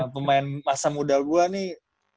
pemain masa muda gue nih